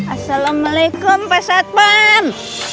assalamualaikum pak ustadz pam